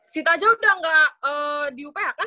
situ aja udah gak di uph kan